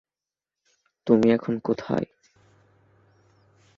পাকিস্তান সেনাবাহিনীর ব্যাপক আক্রমণে মুক্তিযোদ্ধারা পিছে হটতে বাধ্য হন।